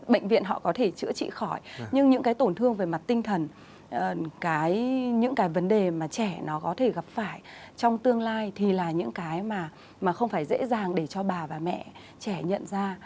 bệnh viện họ có thể chữa trị khỏi nhưng những cái tổn thương về mặt tinh thần những cái vấn đề mà trẻ nó có thể gặp phải trong tương lai thì là những cái mà không phải dễ dàng để cho bà và mẹ trẻ nhận ra